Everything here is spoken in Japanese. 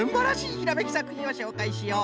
ひらめきさくひんをしょうかいしよう。